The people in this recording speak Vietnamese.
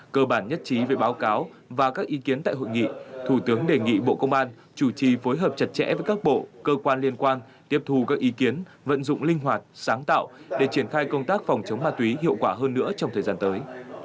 cơ bản nhất trí về báo cáo và các ý kiến tại hội nghị thủ tướng đề nghị bộ công an chủ trì phối hợp chặt chẽ với các bộ cơ quan liên quan tiếp thu các ý kiến vận dụng linh hoạt sáng tạo để triển khai công tác phòng chống ma túy hiệu quả hơn nữa trong thời gian tới